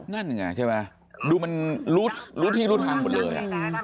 นั่นไงใช่ไหมดูมันรู้ที่รู้ทางหมดเลย